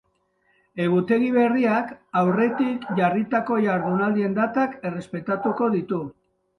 Egutegi berriak, auretik jarritako jardunaldien datak errespetatuko ditu.